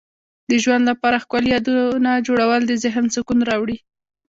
د ژوند لپاره ښکلي یادونه جوړول د ذهن سکون راوړي.